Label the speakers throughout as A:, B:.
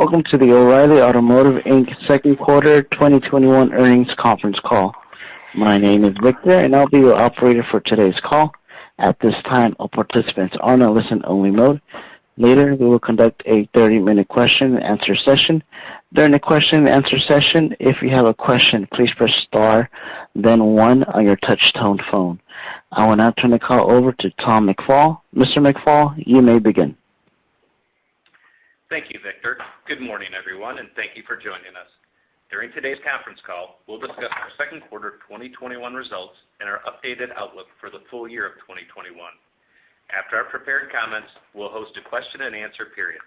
A: Welcome to the O’Reilly Automotive Inc. Second Quarter 2021 Earnings Conference Call. My name is Victor, and I'll be your operator for today's call. At this time, all participants are in a listen-only mode. Later, we will conduct a 30-minute question-and-answer session. During the question-and-answer session, if you have a question, please press star then one on your touch-tone phone. I will now turn the call over to Tom McFall. Mr. McFall, you may begin.
B: Thank you, Victor. Good morning, everyone, and thank you for joining us. During today's conference call, we'll discuss our second quarter 2021 results and our updated outlook for the full year of 2021. After our prepared comments, we'll host a question-and-answer period.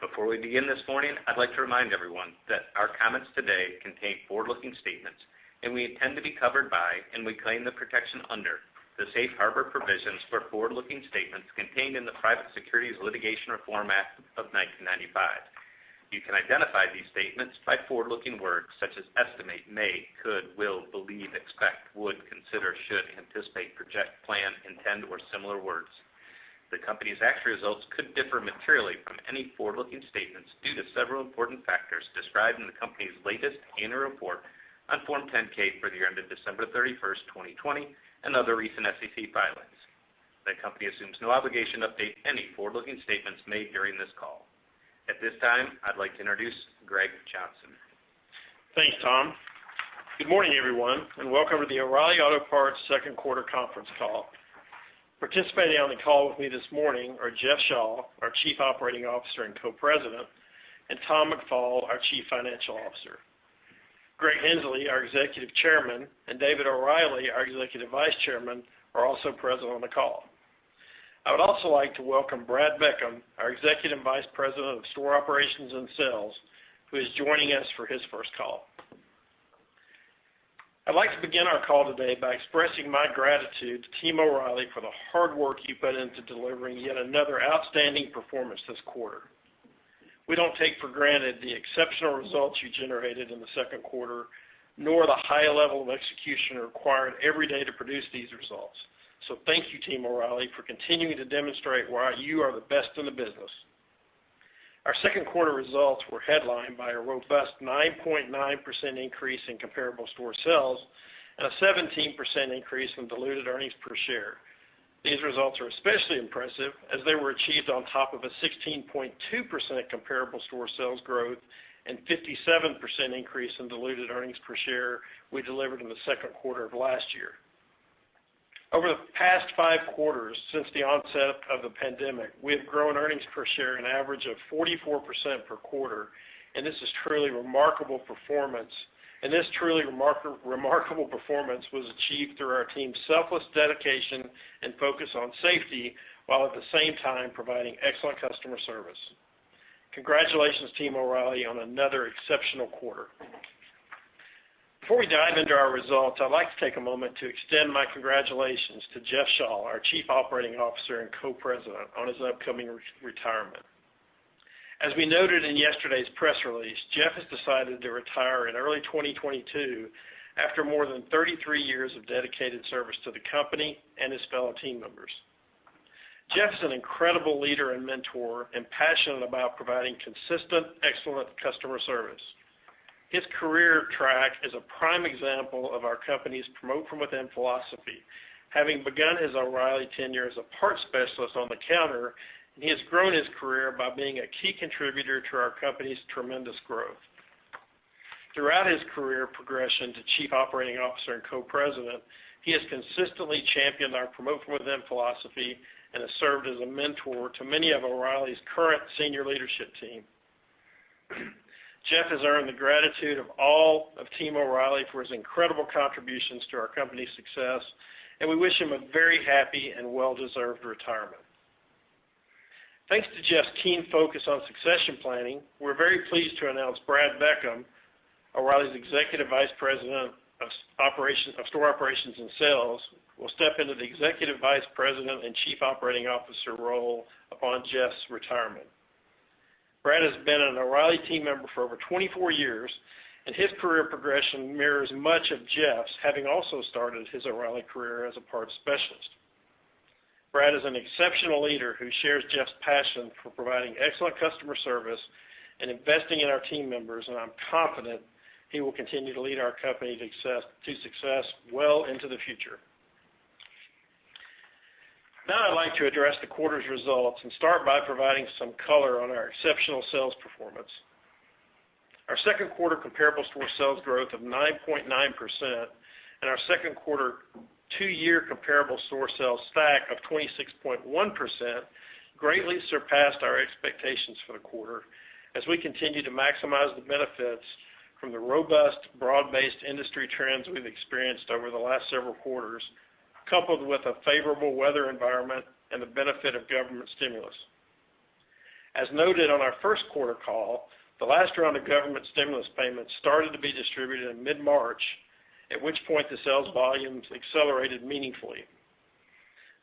B: Before we begin this morning, I'd like to remind everyone that our comments today contain forward-looking statements, and we intend to be covered by and we claim the protection under the safe harbor provisions for forward-looking statements contained in the Private Securities Litigation Reform Act of 1995. You can identify these statements by forward-looking words such as estimate, may, could, will, believe, expect, would, consider, should, anticipate, project, plan, intend, or similar words. The company's actual results could differ materially from any forward-looking statements due to several important factors described in the company's latest annual report on Form 10-K for the year ended December 31st, 2020, and other recent SEC filings. The company assumes no obligation to update any forward-looking statements made during this call. At this time, I'd like to introduce Greg Johnson.
C: Thanks, Tom. Good morning, everyone, and welcome to the O’Reilly Auto Parts second quarter conference call. Participating on the call with me this morning are Jeff Shaw, our Chief Operating Officer and Co-President, and Tom McFall, our Chief Financial Officer. Greg Henslee, our Executive Chairman, and David O’Reilly, our Executive Vice Chairman, are also present on the call. I would also like to welcome Brad Beckham, our Executive Vice President of Store Operations and Sales, who is joining us for his first call. I'd like to begin our call today by expressing my gratitude to Team O’Reilly for the hard work you put into delivering yet another outstanding performance this quarter. We don't take for granted the exceptional results you generated in the second quarter, nor the high level of execution required every day to produce these results. Thank you, Team O’Reilly, for continuing to demonstrate why you are the best in the business. Our second quarter results were headlined by a robust 9.9% increase in comparable store sales and a 17% increase in diluted earnings per share. These results are especially impressive as they were achieved on top of a 16.2% comparable store sales growth and 57% increase in diluted earnings per share we delivered in the second quarter of last year. Over the past five quarters since the onset of the pandemic, we have grown earnings per share an average of 44% per quarter, and this truly remarkable performance was achieved through our team's selfless dedication and focus on safety, while at the same time providing excellent customer service. Congratulations, Team O’Reilly, on another exceptional quarter. Before we dive into our results, I'd like to take a moment to extend my congratulations to Jeff Shaw, our Chief Operating Officer and Co-President, on his upcoming retirement. As we noted in yesterday's press release, Jeff has decided to retire in early 2022 after more than 33 years of dedicated service to the company and his fellow team members. Jeff is an incredible leader and mentor and passionate about providing consistent, excellent customer service. His career track is a prime example of our company's promote-from-within philosophy. Having begun his O'Reilly tenure as a parts specialist on the counter, he has grown his career by being a key contributor to our company's tremendous growth. Throughout his career progression to Chief Operating Officer and Co-President, he has consistently championed our promote-from-within philosophy and has served as a mentor to many of O'Reilly's current senior leadership team. Jeff has earned the gratitude of all of Team O’Reilly for his incredible contributions to our company's success, and we wish him a very happy and well-deserved retirement. Thanks to Jeff's keen focus on succession planning, we're very pleased to announce Brad Beckham, O’Reilly's Executive Vice President of Store Operations and Sales, will step into the Executive Vice President and Chief Operating Officer role upon Jeff's retirement. Brad has been an O’Reilly team member for over 24 years, and his career progression mirrors much of Jeff's, having also started his O’Reilly career as a parts specialist. Brad is an exceptional leader who shares Jeff's passion for providing excellent customer service and investing in our team members, and I'm confident he will continue to lead our company to success well into the future. Now I'd like to address the quarter's results and start by providing some color on our exceptional sales performance. Our second quarter comparable store sales growth of 9.9% and our second quarter two-year comparable store sales stack of 26.1% greatly surpassed our expectations for the quarter as we continue to maximize the benefits from the robust, broad-based industry trends we've experienced over the last several quarters, coupled with a favorable weather environment and the benefit of government stimulus. As noted on our first quarter call, the last round of government stimulus payments started to be distributed in mid-March, at which point the sales volumes accelerated meaningfully.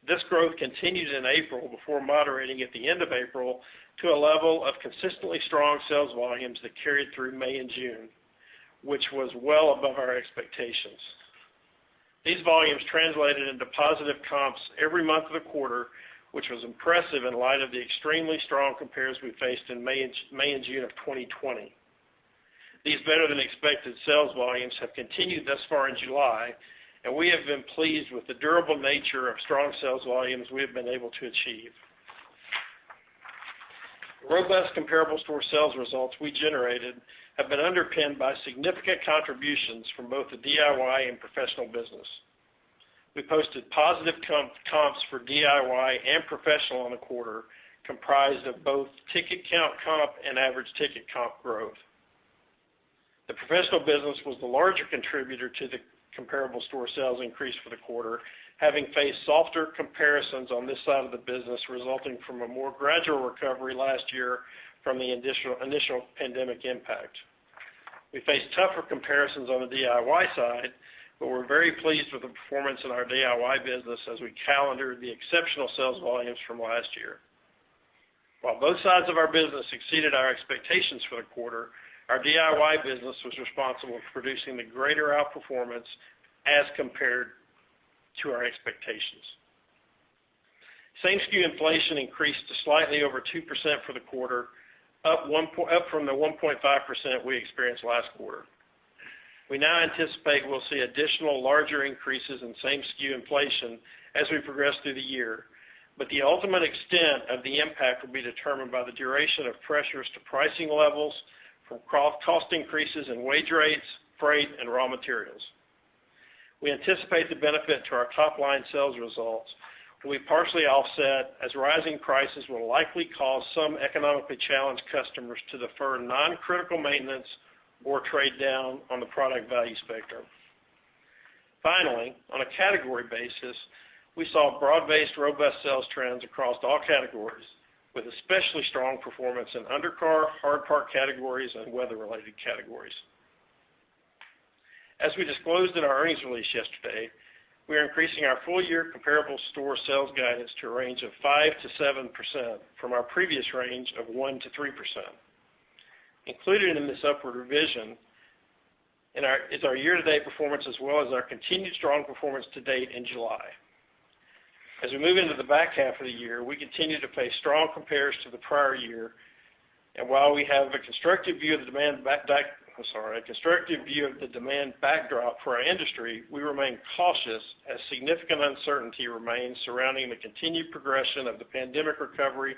C: This growth continued in April before moderating at the end of April to a level of consistently strong sales volumes that carried through May and June, which was well above our expectations. These volumes translated into positive comps every month of the quarter, which was impressive in light of the extremely strong compares we faced in May and June of 2020. These better than expected sales volumes have continued thus far in July. We have been pleased with the durable nature of strong sales volumes we have been able to achieve. The robust comparable store sales results we generated have been underpinned by significant contributions from both the DIY and professional business. We posted positive comps for DIY and professional in the quarter, comprised of both ticket count comp and average ticket comp growth. The professional business was the larger contributor to the comparable store sales increase for the quarter, having faced softer comparisons on this side of the business resulting from a more gradual recovery last year from the initial pandemic impact. We faced tougher comparisons on the DIY side, but we are very pleased with the performance of our DIY business as we calendar the exceptional sales volumes from last year. While both sides of our business exceeded our expectations for the quarter, our DIY business was responsible for producing the greater outperformance as compared to our expectations. Same-SKU inflation increased to slightly over 2% for the quarter, up from the 1.5% we experienced last quarter. We now anticipate we'll see additional larger increases in same-SKU inflation as we progress through the year, but the ultimate extent of the impact will be determined by the duration of pressures to pricing levels from cost increases in wage rates, freight, and raw materials. We anticipate the benefit to our top-line sales results will be partially offset, as rising prices will likely cause some economically challenged customers to defer non-critical maintenance or trade down on the product value spectrum. Finally, on a category basis, we saw broad-based, robust sales trends across all categories, with especially strong performance in undercar, hard part categories, and weather-related categories. As we disclosed in our earnings release yesterday, we are increasing our full-year comparable store sales guidance to a range of 5%-7%, from our previous range of 1%-3%. Included in this upward revision is our year-to-date performance, as well as our continued strong performance to date in July. As we move into the back half of the year, we continue to face strong compares to the prior year, and while we have a constructive view of the demand backdrop for our industry, we remain cautious as significant uncertainty remains surrounding the continued progression of the pandemic recovery,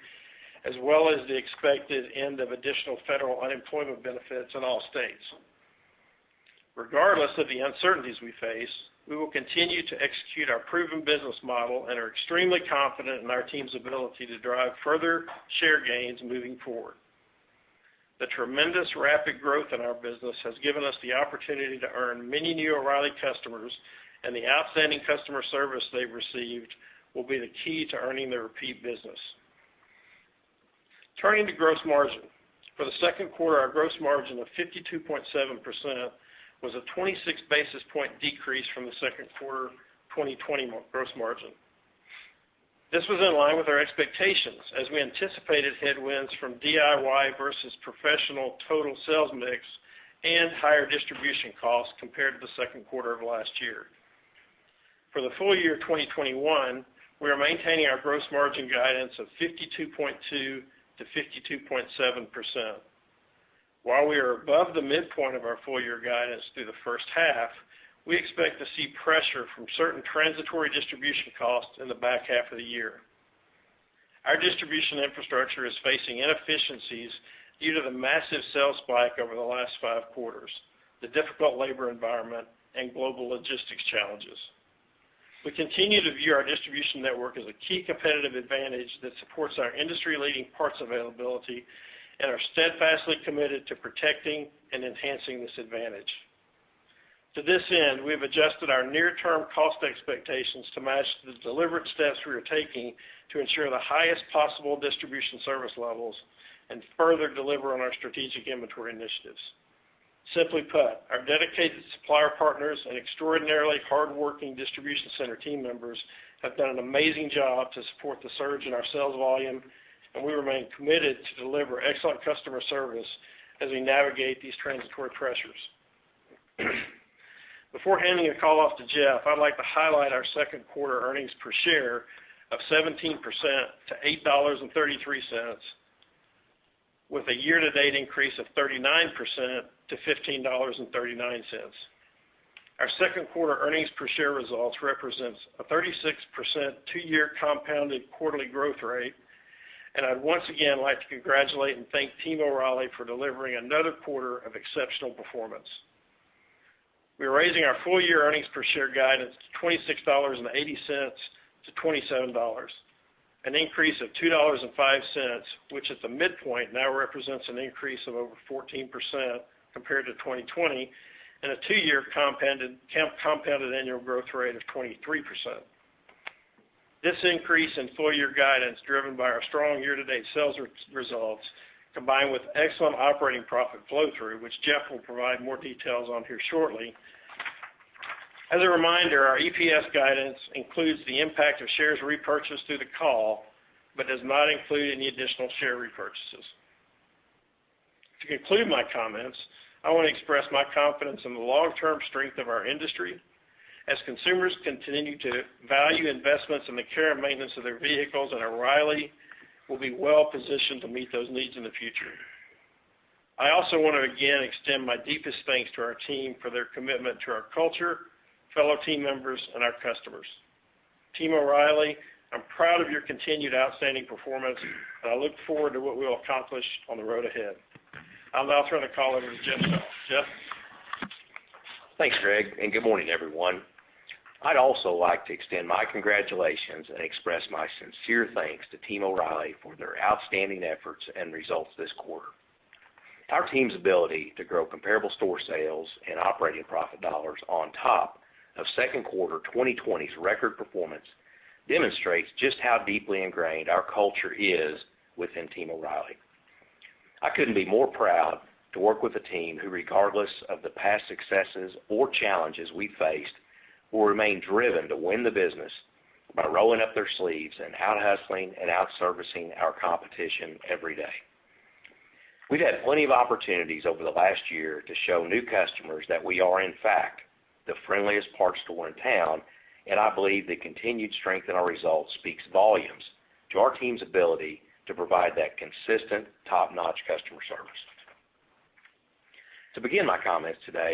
C: as well as the expected end of additional federal unemployment benefits in all states. Regardless of the uncertainties we face, we will continue to execute our proven business model and are extremely confident in our team's ability to drive further share gains moving forward. The tremendous rapid growth in our business has given us the opportunity to earn many new O'Reilly customers, and the outstanding customer service they've received will be the key to earning their repeat business. Turning to gross margin. For the second quarter, our gross margin of 52.7% was a 26 basis point decrease from the second quarter 2020 gross margin. This was in line with our expectations, as we anticipated headwinds from DIY versus professional total sales mix and higher distribution costs compared to the second quarter of last year. For the full year 2021, we are maintaining our gross margin guidance of 52.2%-52.7%. While we are above the midpoint of our full-year guidance through the first half, we expect to see pressure from certain transitory distribution costs in the back half of the year. Our distribution infrastructure is facing inefficiencies due to the massive sales spike over the last five quarters, the difficult labor environment, and global logistics challenges. We continue to view our distribution network as a key competitive advantage that supports our industry-leading parts availability and are steadfastly committed to protecting and enhancing this advantage. To this end, we've adjusted our near-term cost expectations to match the deliberate steps we are taking to ensure the highest possible distribution service levels and further deliver on our strategic inventory initiatives. Simply put, our dedicated supplier partners and extraordinarily hardworking distribution center team members have done an amazing job to support the surge in our sales volume, and we remain committed to deliver excellent customer service as we navigate these transitory pressures. Before handing the call off to Jeff, I'd like to highlight our second quarter earnings per share of 17% to $8.33, with a year-to-date increase of 39% to $15.39. Our second quarter earnings per share results represents a 36% two-year compounded quarterly growth rate. I'd once again like to congratulate and thank Team O’Reilly for delivering another quarter of exceptional performance. We're raising our full-year earnings per share guidance to $26.80 to $27, an increase of $2.05, which at the midpoint now represents an increase of over 14% compared to 2020, and a two-year compounded annual growth rate of 23%. This increase in full-year guidance, driven by our strong year-to-date sales results, combined with excellent operating profit flow-through, which Jeff will provide more details on here shortly. As a reminder, our EPS guidance includes the impact of shares repurchased through the call but does not include any additional share repurchases. To conclude my comments, I want to express my confidence in the long-term strength of our industry as consumers continue to value investments in the care and maintenance of their vehicles, and O’Reilly will be well-positioned to meet those needs in the future. I also want to, again, extend my deepest thanks to our team for their commitment to our culture, fellow team members, and our customers. Team O'Reilly, I’m proud of your continued outstanding performance, and I look forward to what we’ll accomplish on the road ahead. I’ll now turn the call over to Jeff Shaw. Jeff?
D: Thanks, Greg, and good morning, everyone. I’d also like to extend my congratulations and express my sincere thanks to Team O'Reilly for their outstanding efforts and results this quarter. Our team’s ability to grow comparable store sales and operating profit dollars on top of second quarter 2020's record performance demonstrates just how deeply ingrained our culture is within Team O'Reilly. I couldn’t be more proud to work with a team who, regardless of the past successes or challenges we faced, will remain driven to win the business by rolling up their sleeves and out-hustling and out-servicing our competition every day. We’ve had plenty of opportunities over the last year to show new customers that we are, in fact, the friendliest parts store in town, and I believe the continued strength in our results speaks volumes to our team’s ability to provide that consistent top-notch customer service. To begin my comments today,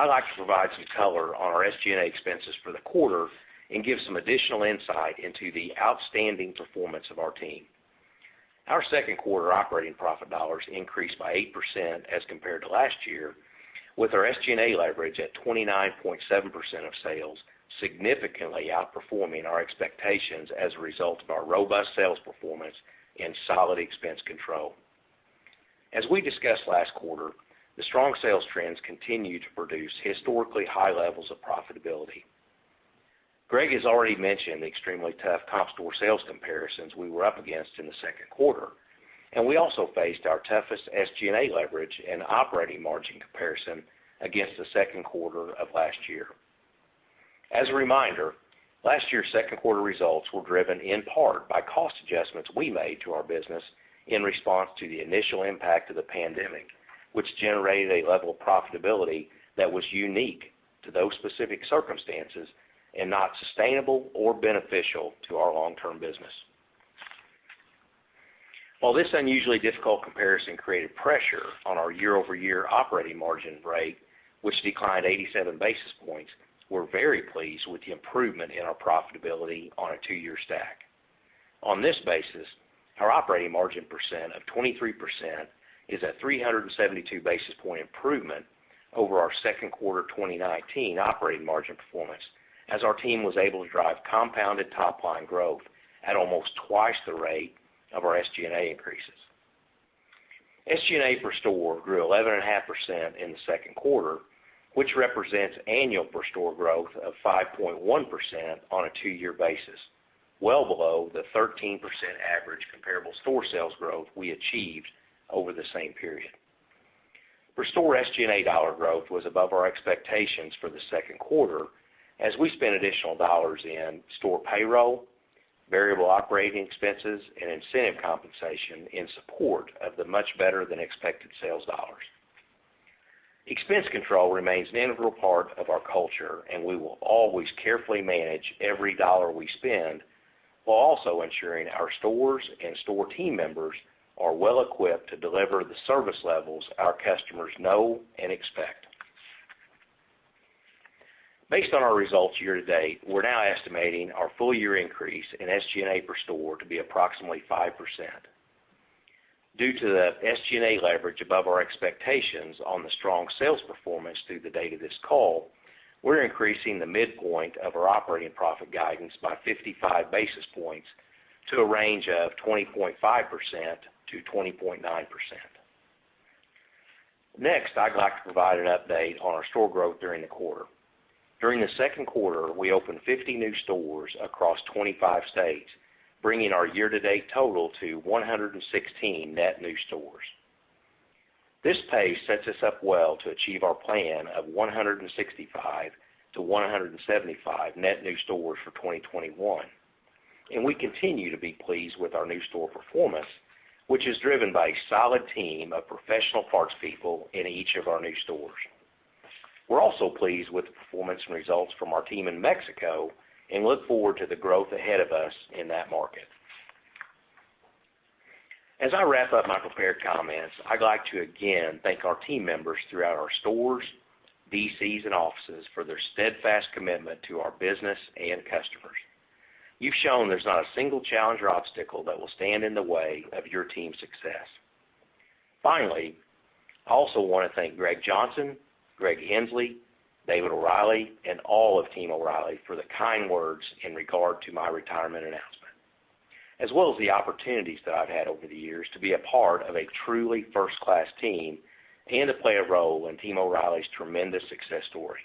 D: I’d like to provide some color on our SG&A expenses for the quarter and give some additional insight into the outstanding performance of our team. Our second quarter operating profit dollars increased by 8% as compared to last year, with our SG&A leverage at 29.7% of sales, significantly outperforming our expectations as a result of our robust sales performance and solid expense control. As we discussed last quarter, the strong sales trends continue to produce historically high levels of profitability. Greg has already mentioned the extremely tough comp store sales comparisons we were up against in the second quarter, and we also faced our toughest SG&A leverage and operating margin comparison against the second quarter of last year. As a reminder, last year’s second quarter results were driven in part by cost adjustments we made to our business in response to the initial impact of the pandemic, which generated a level of profitability that was unique to those specific circumstances and not sustainable or beneficial to our long-term business. While this unusually difficult comparison created pressure on our year-over-year operating margin rate, which declined 87 basis points, we’re very pleased with the improvement in our profitability on a two-year stack. On this basis, our operating margin percent of 23% is a 372 basis point improvement over our second quarter 2019 operating margin performance as our team was able to drive compounded top-line growth at almost twice the rate of our SG&A increases. SG&A per store grew 11.5% in the second quarter, which represents annual per store growth of 5.1% on a two-year basis, well below the 13% average comparable store sales growth we achieved over the same period. Per store SG&A dollar growth was above our expectations for the second quarter, as we spent additional dollars in store payroll, variable operating expenses, and incentive compensation in support of the much better than expected sales dollars. Expense control remains an integral part of our culture, and we will always carefully manage every dollar we spend while also ensuring our stores and store team members are well-equipped to deliver the service levels our customers know and expect. Based on our results year to date, we’re now estimating our full year increase in SG&A per store to be approximately 5%. Due to the SG&A leverage above our expectations on the strong sales performance through the date of this call, we’re increasing the midpoint of our operating profit guidance by 55 basis points to a range of 20.5%-20.9%. Next, I’d like to provide an update on our store growth during the quarter. During the second quarter, we opened 50 new stores across 25 states, bringing our year-to-date total to 116 net new stores. This pace sets us up well to achieve our plan of 165-175 net new stores for 2021, and we continue to be pleased with our new store performance, which is driven by a solid team of professional parts people in each of our new stores. We’re also pleased with the performance and results from our team in Mexico and look forward to the growth ahead of us in that market. As I wrap up my prepared comments, I’d like to again thank our team members throughout our stores, DCs, and offices for their steadfast commitment to our business and customers. You’ve shown there’s not a single challenge or obstacle that will stand in the way of your team’s success. Finally, I also want to thank Greg Johnson, Greg Henslee, David O’Reilly, and all of Team O’Reilly for the kind words in regard to my retirement announcement, as well as the opportunities that I’ve had over the years to be a part of a truly first-class team and to play a role in Team O’Reilly’s tremendous success story.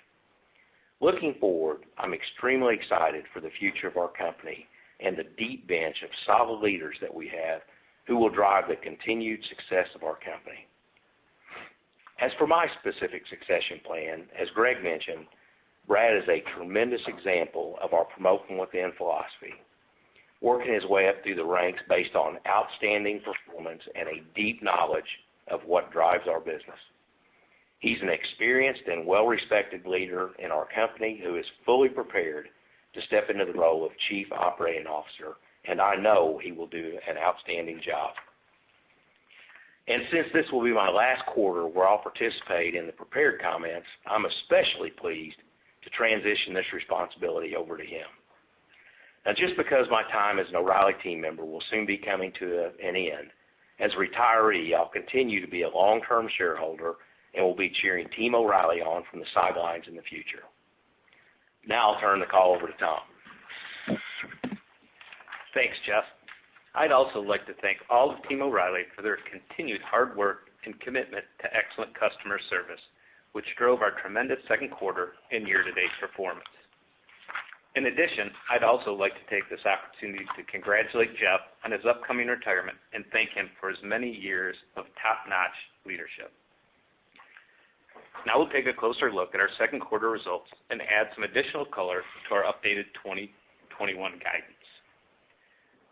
D: Looking forward, I’m extremely excited for the future of our company and the deep bench of solid leaders that we have who will drive the continued success of our company. As for my specific succession plan, as Greg mentioned, Brad is a tremendous example of our promote-from-within philosophy, working his way up through the ranks based on outstanding performance and a deep knowledge of what drives our business. He's an experienced and well-respected leader in our company who is fully prepared to step into the role of Chief Operating Officer. I know he will do an outstanding job. Since this will be my last quarter where I'll participate in the prepared comments, I'm especially pleased to transition this responsibility over to him. Now, just because my time as an O’Reilly team member will soon be coming to an end, as a retiree, I'll continue to be a long-term shareholder and will be cheering Team O’Reilly on from the sidelines in the future. Now I'll turn the call over to Tom.
B: Thanks, Jeff. I'd also like to thank all of Team O'Reilly for their continued hard work and commitment to excellent customer service, which drove our tremendous second quarter and year-to-date performance. In addition, I'd also like to take this opportunity to congratulate Jeff on his upcoming retirement and thank him for his many years of top-notch leadership. Now we'll take a closer look at our second quarter results and add some additional color to our updated 2021 guidance.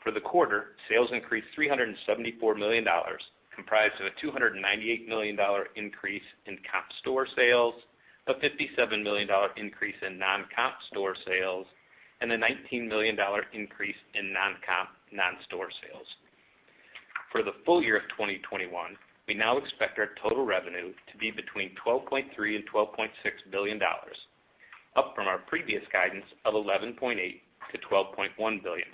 B: For the quarter, sales increased $374 million, comprised of a $298 million increase in comp store sales, a $57 million increase in non-comp store sales, and a $19 million increase in non-comp non-store sales. For the full year of 2021, we now expect our total revenue to be between $12.3 billion-$12.6 billion, up from our previous guidance of $11.8 billion-$12.1 billion,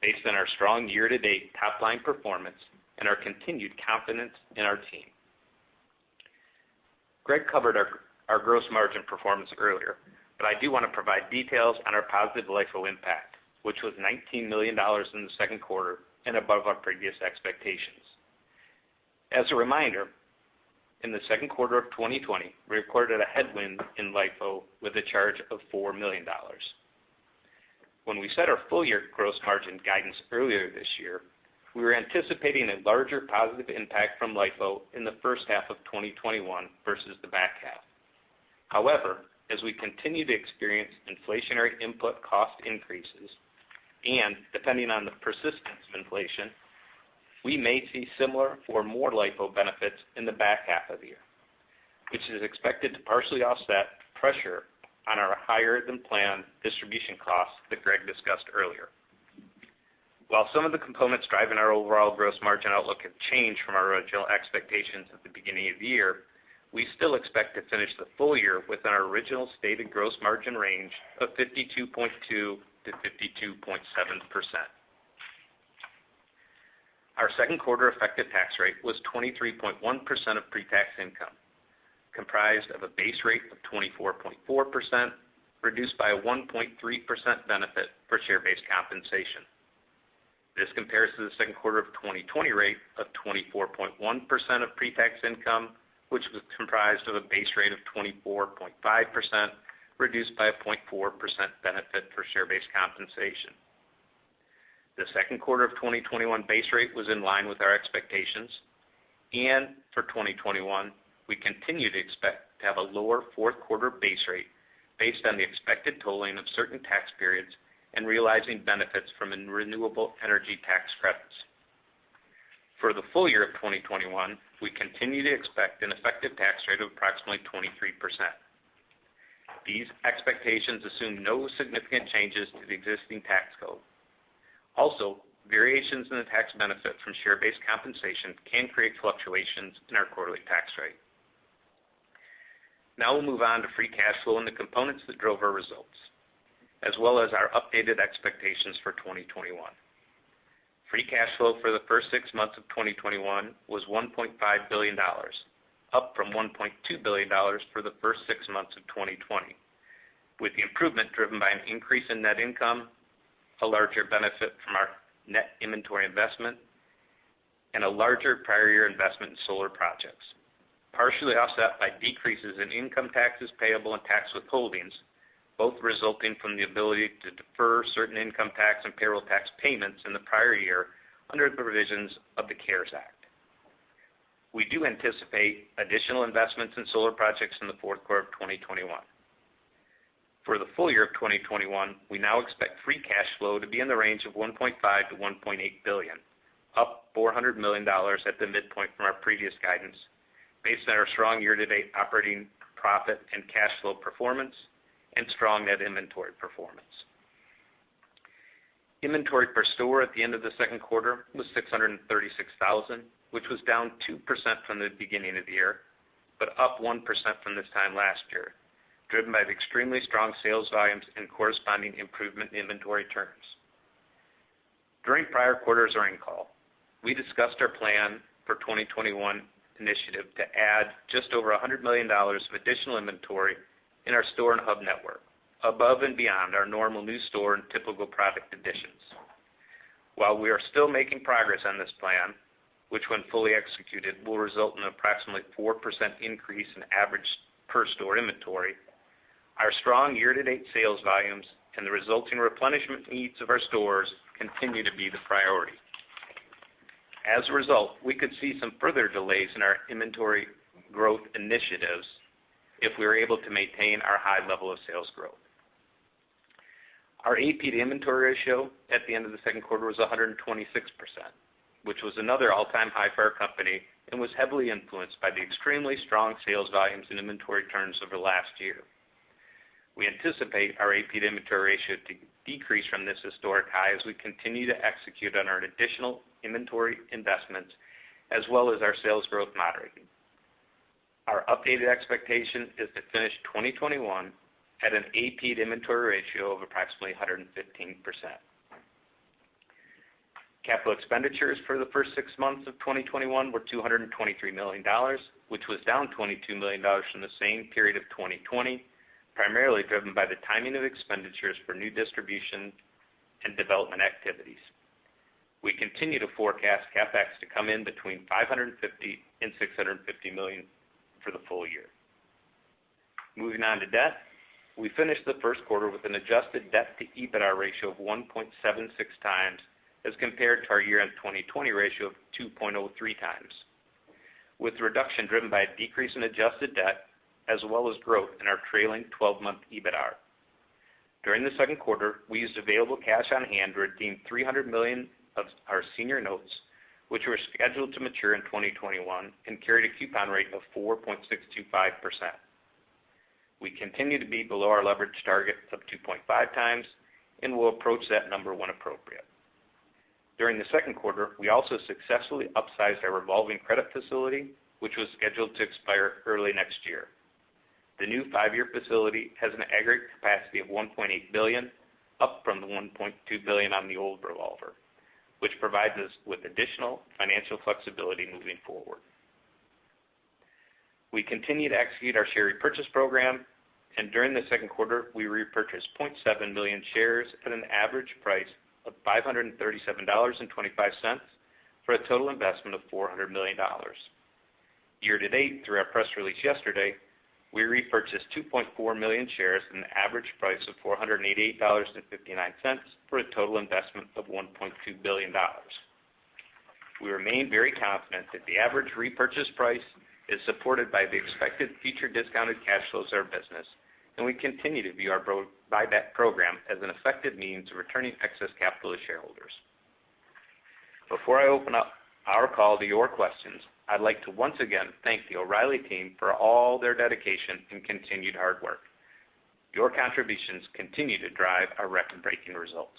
B: based on our strong year-to-date top-line performance and our continued confidence in our team. Greg covered our gross margin performance earlier, but I do want to provide details on our positive LIFO impact, which was $19 million in the second quarter and above our previous expectations. As a reminder, in the second quarter of 2020, we recorded a headwind in LIFO with a charge of $4 million. When we set our full-year gross margin guidance earlier this year, we were anticipating a larger positive impact from LIFO in the first half of 2021 versus the back half. However, as we continue to experience inflationary input cost increases, and depending on the persistence of inflation, we may see similar or more LIFO benefits in the back half of the year, which is expected to partially offset pressure on our higher-than-planned distribution costs that Greg discussed earlier. While some of the components driving our overall gross margin outlook have changed from our original expectations at the beginning of the year, we still expect to finish the full year within our original stated gross margin range of 52.2%-52.7%. Our second quarter effective tax rate was 23.1% of pre-tax income, comprised of a base rate of 24.4%, reduced by a 1.3% benefit for share-based compensation. This compares to the second quarter of 2020 rate of 24.1% of pre-tax income, which was comprised of a base rate of 24.5%, reduced by a 0.4% benefit for share-based compensation. The second quarter of 2021 base rate was in line with our expectations, and for 2021, we continue to expect to have a lower fourth quarter base rate based on the expected tolling of certain tax periods and realizing benefits from renewable energy tax credits. For the full year of 2021, we continue to expect an effective tax rate of approximately 23%. These expectations assume no significant changes to the existing tax code. Also, variations in the tax benefit from share-based compensation can create fluctuations in our quarterly tax rate. Now we'll move on to free cash flow and the components that drove our results, as well as our updated expectations for 2021. Free cash flow for the first six months of 2021 was $1.5 billion, up from $1.2 billion for the first six months of 2020, with the improvement driven by an increase in net income, a larger benefit from our net inventory investment, and a larger prior year investment in solar projects, partially offset by decreases in income taxes payable and tax withholdings, both resulting from the ability to defer certain income tax and payroll tax payments in the prior year under the provisions of the CARES Act. We do anticipate additional investments in solar projects in the fourth quarter of 2021. For the full year of 2021, we now expect free cash flow to be in the range of $1.5 billion-$1.8 billion, up $400 million at the midpoint from our previous guidance, based on our strong year-to-date operating profit and cash flow performance and strong net inventory performance. Inventory per store at the end of the second quarter was 636,000, which was down 2% from the beginning of the year, but up 1% from this time last year, driven by extremely strong sales volumes and corresponding improvement in inventory turns. During prior quarters' earnings call, we discussed our plan for 2021 initiative to add just over $100 million of additional inventory in our store and hub network above and beyond our normal new store and typical product additions. While we are still making progress on this plan, which when fully executed, will result in approximately 4% increase in average per store inventory. Our strong year-to-date sales volumes and the resulting replenishment needs of our stores continue to be the priority. As a result, we could see some further delays in our inventory growth initiatives if we are able to maintain our high level of sales growth. Our AP-to-inventory ratio at the end of the second quarter was 126%, which was another all-time high for our company and was heavily influenced by the extremely strong sales volumes and inventory turns over the last year. We anticipate our AP-to-inventory ratio to decrease from this historic high as we continue to execute on our additional inventory investments, as well as our sales growth moderating. Our updated expectation is to finish 2021 at an AP-to-inventory ratio of approximately 115%. Capital expenditures for the first six months of 2021 were $223 million, which was down $22 million from the same period of 2020, primarily driven by the timing of expenditures for new distribution and development activities. We continue to forecast CapEx to come in between $550 million and $650 million for the full year. Moving on to debt. We finished the first quarter with an adjusted debt-to-EBITDAR ratio of 1.76x as compared to our year-end 2020 ratio of 2.03x, with the reduction driven by a decrease in adjusted debt, as well as growth in our trailing 12-month EBITDAR. During the second quarter, we used available cash on hand to redeem $300 million of our senior notes, which were scheduled to mature in 2021 and carried a coupon rate of 4.625%. We continue to be below our leverage target of 2.5x, and we'll approach that number when appropriate. During the second quarter, we also successfully upsized our revolving credit facility, which was scheduled to expire early next year. The new five-year facility has an aggregate capacity of $1.8 billion, up from the $1.2 billion on the old revolver, which provides us with additional financial flexibility moving forward. We continue to execute our share repurchase program, and during the second quarter, we repurchased 0.7 million shares at an average price of $537.25 for a total investment of $400 million. Year to date, through our press release yesterday, we repurchased 2.4 million shares at an average price of $488.59 for a total investment of $1.2 billion. We remain very confident that the average repurchase price is supported by the expected future discounted cash flows of our business, and we continue to view our buyback program as an effective means of returning excess capital to shareholders. Before I open up our call to your questions, I'd like to once again thank the O'Reilly team for all their dedication and continued hard work. Your contributions continue to drive our record-breaking results.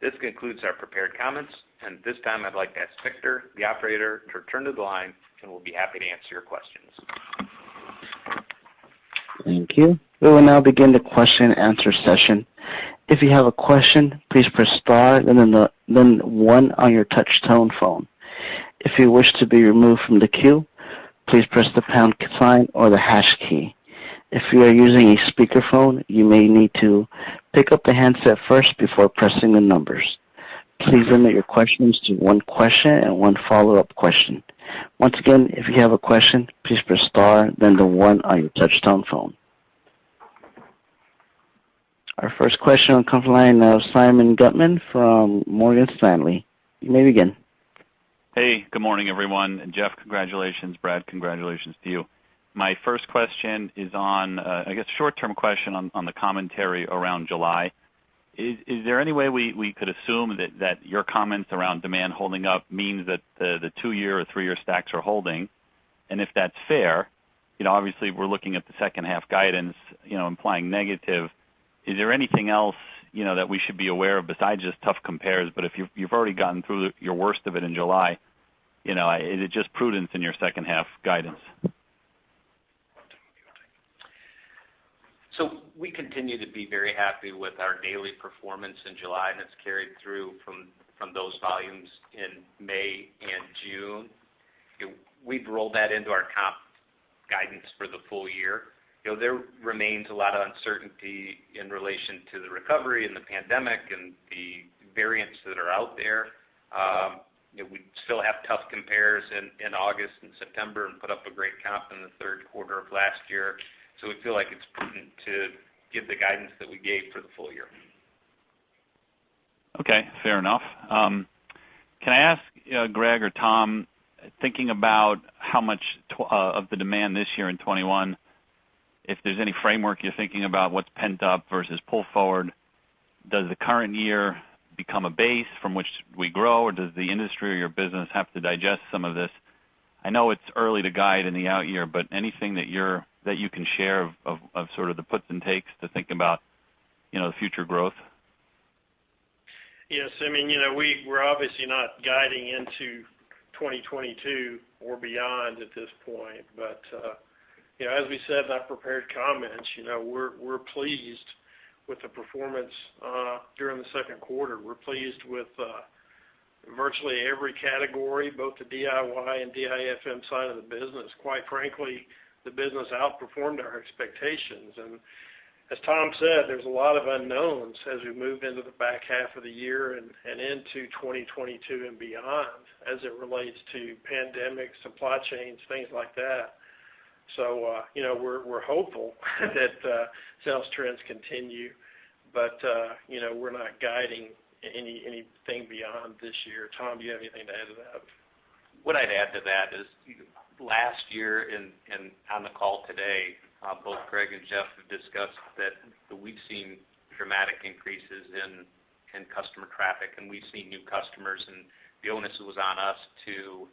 B: This concludes our prepared comments, and at this time I'd like to ask Victor, the operator, to return to the line, and we'll be happy to answer your questions.
A: Thank you. We will now begin the question-and-answer session. If you have a question, please press star, then one on your touch-tone phone. If you wish to be removed from the queue, please press the pound sign or the hash key. If you are using a speakerphone, you may need to pick up the handset first before pressing the numbers. Please limit your questions to one question and one follow-up question. Once again, if you have a question, please press star, then the one on your touch-tone phone. Our first question on the conference line now is Simeon Gutman from Morgan Stanley. You may begin.
E: Hey, good morning, everyone. Jeff, congratulations. Brad, congratulations to you. My first question is on, I guess, short-term question on the commentary around July. Is there any way we could assume that your comments around demand holding up means that the two-year or three-year stacks are holding? If that's fair, obviously we're looking at the second half guidance implying negative. Is there anything else that we should be aware of besides just tough compares? If you've already gotten through your worst of it in July, is it just prudence in your second half guidance?
B: We continue to be very happy with our daily performance in July, and it's carried through from those volumes in May and June. We've rolled that into our comp guidance for the full year. There remains a lot of uncertainty in relation to the recovery and the pandemic and the variants that are out there. We still have tough compares in August and September and put up a great comp in the third quarter of last year. We feel like it's prudent to give the guidance that we gave for the full year.
E: Okay, fair enough. Can I ask Greg or Tom, thinking about how much of the demand this year in 2021, if there's any framework you're thinking about what's pent up versus pull forward? Does the current year become a base from which we grow, or does the industry or your business have to digest some of this? Anything that you can share of sort of the puts and takes to think about future growth?
C: Yes. I mean, we're obviously not guiding into 2022 or beyond at this point. As we said in our prepared comments, we're pleased with the performance during the second quarter. We're pleased with virtually every category, both the DIY and DIFM side of the business. Quite frankly, the business outperformed our expectations and as Tom said, there's a lot of unknowns as we move into the back half of the year and into 2022 and beyond, as it relates to pandemic, supply chains, things like that. We're hopeful that sales trends continue, but we're not guiding anything beyond this year. Tom, do you have anything to add to that?
B: What I'd add to that is, last year and on the call today, both Greg and Jeff have discussed that we've seen dramatic increases in customer traffic, and we've seen new customers, and the onus was on us to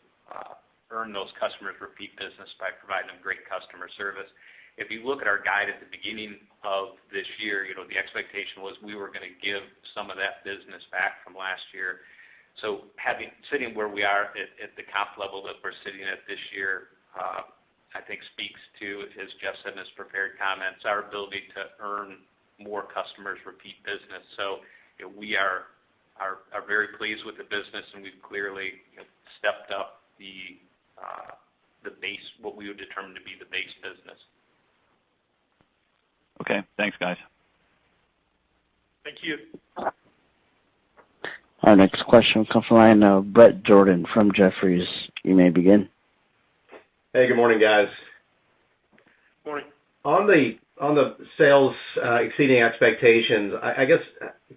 B: earn those customers' repeat business by providing them great customer service. If you look at our guide at the beginning of this year, the expectation was we were going to give some of that business back from last year. Sitting where we are at the comp level that we're sitting at this year, I think speaks to, as Jeff said in his prepared comments, our ability to earn more customers' repeat business. We are very pleased with the business, and we've clearly stepped up what we would determine to be the base business.
E: Okay, thanks guys.
C: Thank you.
A: Our next question comes from the line of Bret Jordan from Jefferies. You may begin.
F: Hey, good morning, guys.
C: Morning.
F: On the sales exceeding expectations, I guess,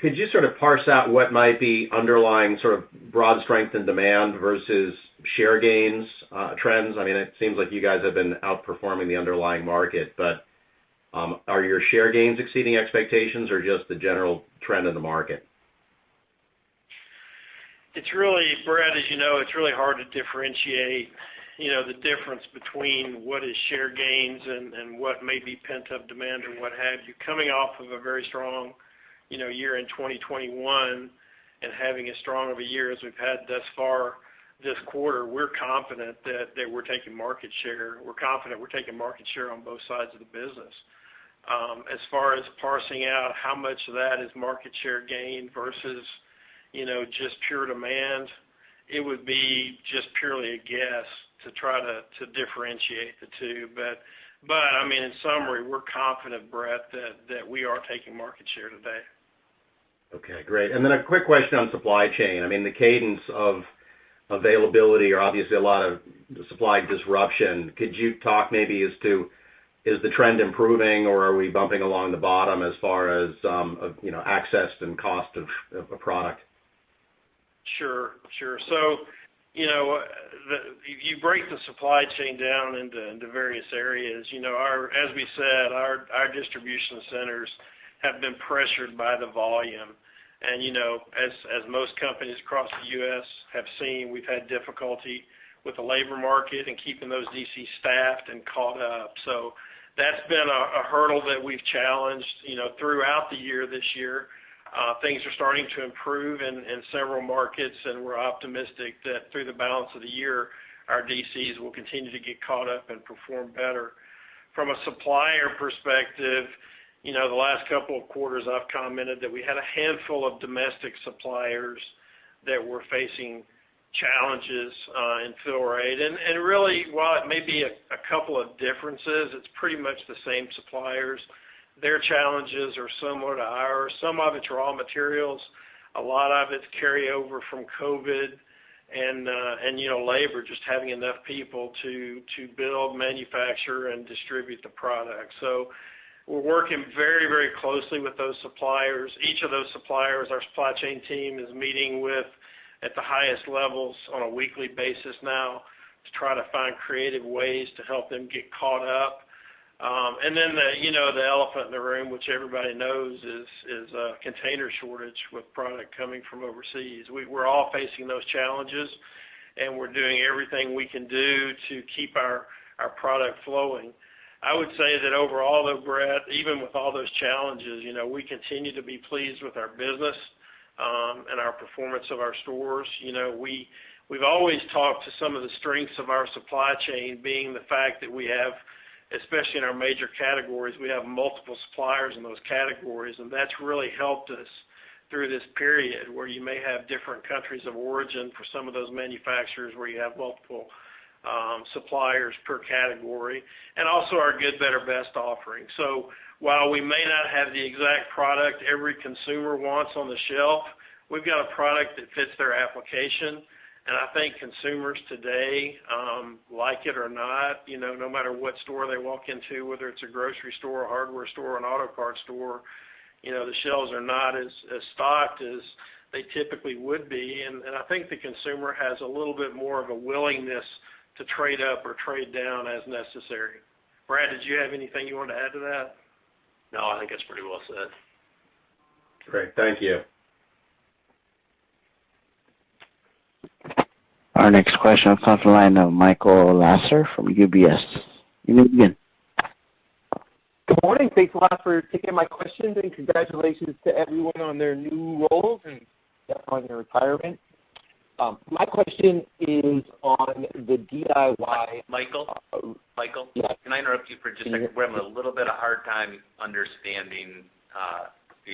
F: could you sort of parse out what might be underlying sort of broad strength in demand versus share gains trends? It seems like you guys have been outperforming the underlying market, are your share gains exceeding expectations or just the general trend in the market?
C: Bret, as you know, it's really hard to differentiate the difference between what is share gains and what may be pent-up demand or what have you. Coming off of a very strong year in 2021 and having as strong of a year as we've had thus far this quarter, we're confident that we're taking market share. We're confident we're taking market share on both sides of the business. As far as parsing out how much of that is market share gain versus just pure demand, it would be just purely a guess to try to differentiate the two. In summary, we're confident, Bret, that we are taking market share today.
F: Okay, great. A quick question on supply chain. The cadence of availability, obviously a lot of supply disruption. Could you talk maybe as to is the trend improving or are we bumping along the bottom as far as access and cost of product?
C: Sure. If you break the supply chain down into various areas, as we said, our distribution centers have been pressured by the volume. As most companies across the U.S. have seen, we've had difficulty with the labor market and keeping those DCs staffed and caught up. That's been a hurdle that we've challenged throughout the year this year. Things are starting to improve in several markets, and we're optimistic that through the balance of the year, our DCs will continue to get caught up and perform better. From a supplier perspective, the last couple of quarters I've commented that we had a handful of domestic suppliers that were facing challenges in fill rate. Really, while it may be a couple of differences, it's pretty much the same suppliers. Their challenges are similar to ours. Some of it's raw materials, a lot of it's carryover from COVID and labor, just having enough people to build, manufacture, and distribute the product. We're working very closely with those suppliers. Each of those suppliers, our supply chain team is meeting with at the highest levels on a weekly basis now to try to find creative ways to help them get caught up. The elephant in the room, which everybody knows, is container shortage with product coming from overseas. We're all facing those challenges, and we're doing everything we can do to keep our product flowing. I would say that overall, though, Bret, even with all those challenges, we continue to be pleased with our business and our performance of our stores. We've always talked to some of the strengths of our supply chain being the fact that we have, especially in our major categories, we have multiple suppliers in those categories. That's really helped us through this period where you may have different countries of origin for some of those manufacturers where you have multiple suppliers per category. Also our good, better, best offering. While we may not have the exact product every consumer wants on the shelf, we've got a product that fits their application. I think consumers today, like it or not, no matter what store they walk into, whether it's a grocery store, a hardware store, an auto parts store, the shelves are not as stocked as they typically would be. I think the consumer has a little bit more of a willingness to trade up or trade down as necessary. Brad, did you have anything you wanted to add to that?
G: No, I think that's pretty well said.
C: Great. Thank you.
A: Our next question comes from the line of Michael Lasser from UBS. You may begin.
H: Good morning. Thanks a lot for taking my questions, and congratulations to everyone on their new roles and Jeff on your retirement. My question is on the DIY.
B: Michael?
H: Yes.
B: Can I interrupt you for just a second? We're having a little bit of hard time understanding.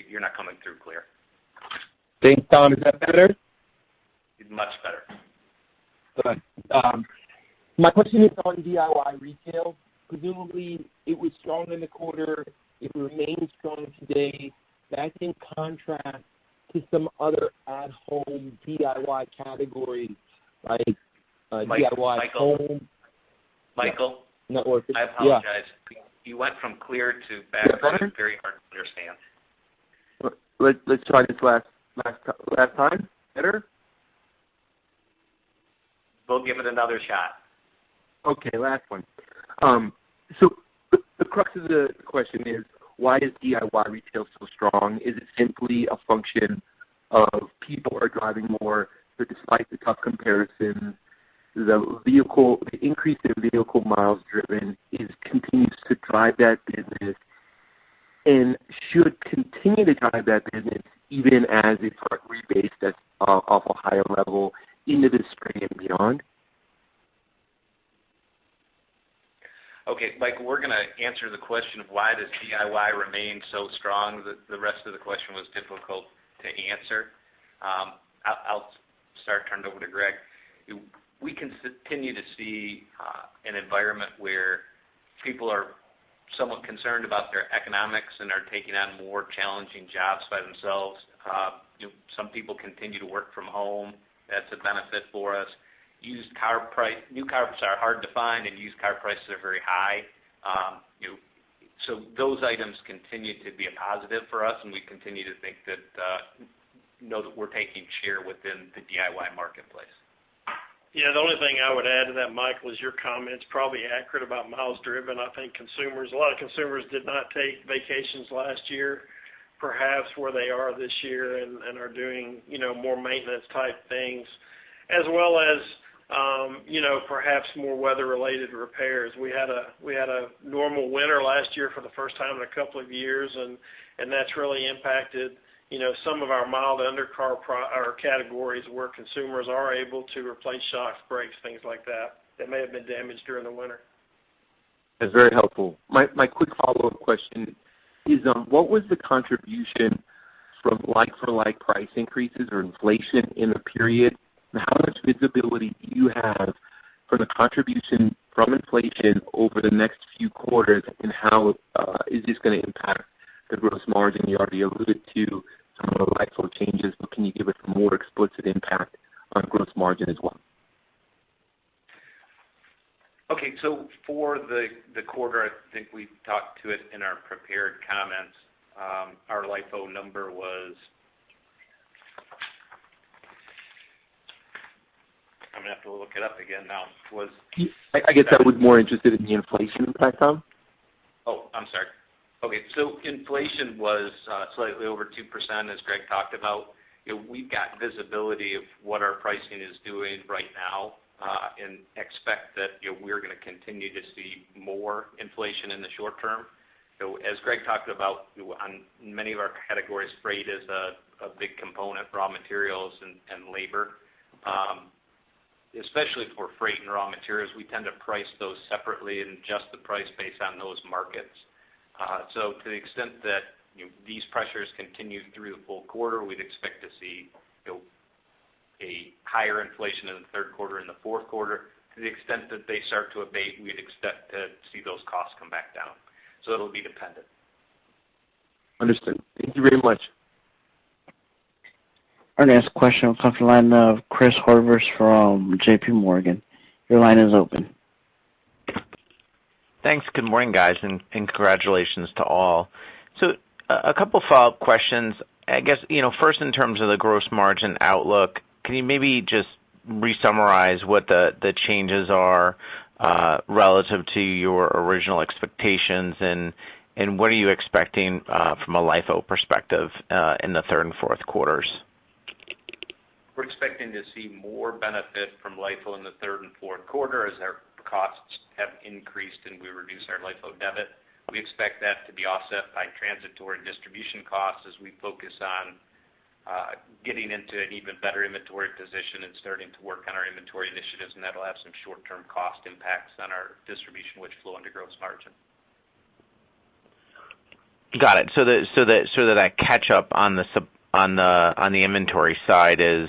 B: You're not coming through clear.
H: Thanks, Tom. Is that better?
B: Much better.
H: My question is on DIY retail. Presumably, it was strong in the quarter, it remains strong today. That's in contrast to some other at-home DIY categories, like DIY home.
B: Michael?
H: Yeah.
B: Michael? I apologize.
H: Yes.
B: You went from clear to very hard to understand.
H: Let's try this last time. Better?
B: We'll give it another shot.
H: Okay, last one. The crux of the question is, why is DIY retail so strong? Is it simply a function of people are driving more, but despite the tough comparison, the increase in vehicle miles driven continues to drive that business and should continue to drive that business even as they start to rebase that off a higher level into this spring and beyond?
B: Okay, Mike, we're going to answer the question of why does DIY remain so strong. The rest of the question was difficult to answer. I'll start, turn it over to Greg. We continue to see an environment where people are somewhat concerned about their economics and are taking on more challenging jobs by themselves. Some people continue to work from home. That's a benefit for us. New cars are hard to find, and used car prices are very high. Those items continue to be a positive for us, and we continue to know that we're taking share within the DIY marketplace.
C: Yeah, the only thing I would add to that, Michael, is your comment's probably accurate about miles driven. I think a lot of consumers did not take vacations last year, perhaps where they are this year and are doing more maintenance type things, as well as perhaps more weather-related repairs. We had a normal winter last year for the first time in a couple of years, and that's really impacted some of our mild undercar categories, where consumers are able to replace shocks, brakes, things like that may have been damaged during the winter.
H: That's very helpful. My quick follow-up question is on what was the contribution from like-for-like price increases or inflation in the period, and how much visibility do you have for the contribution from inflation over the next few quarters and how is this going to impact the gross margin? You already alluded to some of the LIFO changes. Can you give us more explicit impact on gross margin as well?
B: Okay, for the quarter, I think we talked to it in our prepared comments. Our LIFO number was I'm going to have to look it up again now.
H: I guess I was more interested in the inflation impact.
B: Oh, I'm sorry. Okay, inflation was slightly over 2%, as Greg talked about. We've got visibility of what our pricing is doing right now, and expect that we're going to continue to see more inflation in the short term. As Greg talked about, on many of our categories, freight is a big component, raw materials and labor. Especially for freight and raw materials, we tend to price those separately and adjust the price based on those markets. To the extent that these pressures continue through the full quarter, we'd expect to see a higher inflation in the third quarter and the fourth quarter. To the extent that they start to abate, we'd expect to see those costs come back down. It'll be dependent.
H: Understood. Thank you very much.
A: Our next question will come from the line of Chris Horvers from JPMorgan. Your line is open.
I: Thanks. Good morning, guys, and congratulations to all. A couple follow-up questions. I guess first in terms of the gross margin outlook, can you maybe just re-summarize what the changes are relative to your original expectations, and what are you expecting from a LIFO perspective in the third and fourth quarters?
B: We're expecting to see more benefit from LIFO in the third and fourth quarter as our costs have increased and we reduce our LIFO debit. We expect that to be offset by transitory distribution costs as we focus on getting into an even better inventory position and starting to work on our inventory initiatives, and that'll have some short-term cost impacts on our distribution, which flow under gross margin.
I: Got it. That catch up on the inventory side is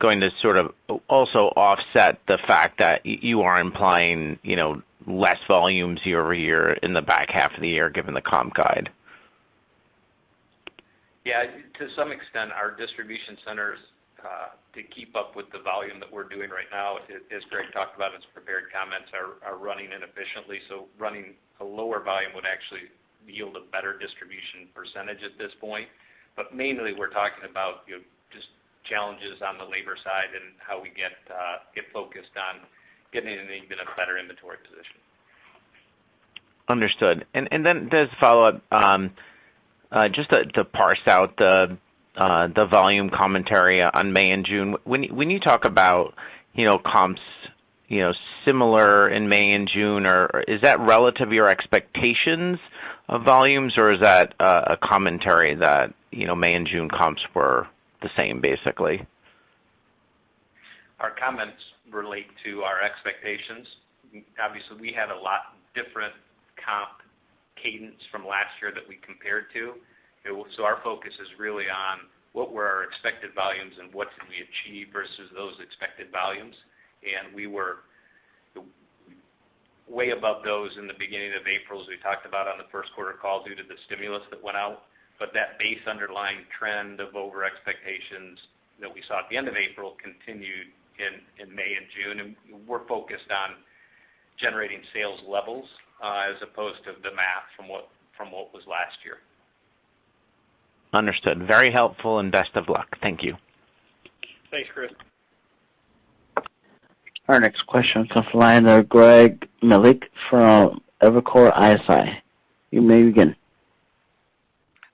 I: going to sort of also offset the fact that you are implying less volumes year-over-year in the back half of the year, given the comp guide.
B: Yeah. To some extent, our distribution centers, to keep up with the volume that we're doing right now, as Greg talked about in his prepared comments, are running inefficiently. Running a lower volume would actually yield a better distribution percentage at this point. Mainly, we're talking about just challenges on the labor side and how we get focused on getting into an even better inventory position.
I: Understood. This follow-up, just to parse out the volume commentary on May and June. When you talk about comps similar in May and June, is that relative to your expectations of volumes, or is that a commentary that May and June comps were the same, basically?
B: Our comments relate to our expectations. Obviously, we had a lot different cadence from last year that we compared to. Our focus is really on what were our expected volumes and what did we achieve versus those expected volumes. We were way above those in the beginning of April, as we talked about on the first quarter call, due to the stimulus that went out. That base underlying trend of over expectations that we saw at the end of April continued in May and June, and we're focused on generating sales levels, as opposed to the math from what was last year.
I: Understood. Very helpful and best of luck. Thank you.
C: Thanks, Chris.
A: Our next question is on the line there, Greg Melich from Evercore ISI. You may begin.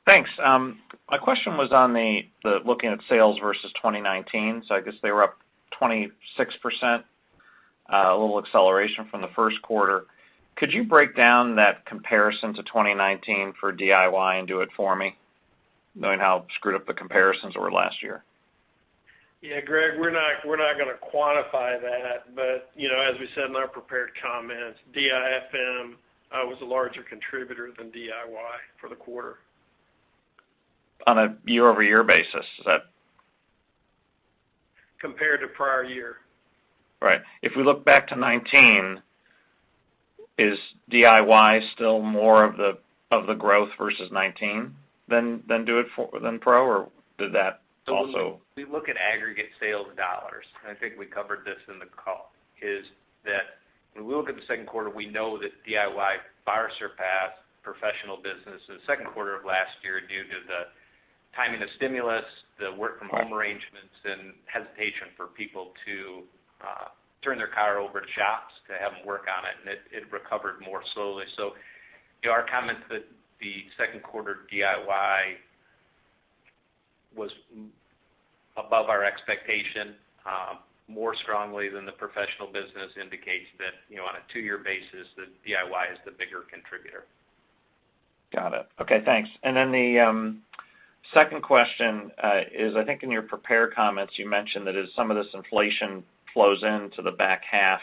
J: Thanks. My question was on the looking at sales versus 2019, so I guess they were up 26%, a little acceleration from the first quarter. Could you break down that comparison to 2019 for DIY and Do-It-For-Me, knowing how screwed up the comparisons were last year?
C: Yeah, Greg, we're not going to quantify that, but as we said in our prepared comments, DIFM was a larger contributor than DIY for the quarter.
J: On a year-over-year basis, is that?
C: Compared to prior year.
J: Right. If we look back to 2019, is DIY still more of the growth versus 2019 than pro or did that also?
B: We look at aggregate sales dollars, and I think we covered this in the call, is that when we look at the second quarter, we know that DIY far surpassed professional business in the second quarter of last year due to the timing of stimulus, the work from home arrangements, and hesitation for people to turn their car over to shops to have them work on it, and it recovered more slowly. So our comments that the second quarter DIY was above our expectation, more strongly than the professional business indicates that on a two-year basis, that DIY is the bigger contributor.
J: Got it. Okay, thanks. The second question is, I think in your prepared comments, you mentioned that as some of this inflation flows into the back half,